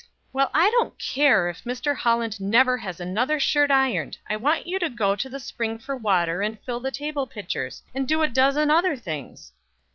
"Well, I don't care if Mr. Holland never has another shirt ironed. I want you to go to the spring for water and fill the table pitchers, and do a dozen other things."